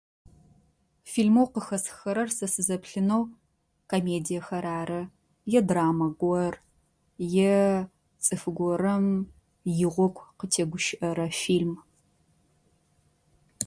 Фильмоу къыхэсхэрэр сэ сызэплъынэу комедиехэр ары е драмэ гор е цӏыф горэм игъогу къытегущыӏэрэ фильм.